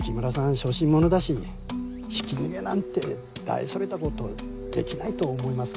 小心者だしひき逃げなんて大それたことできないと思いますけど。